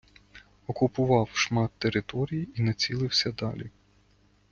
Окупував шмат території і націлився далі.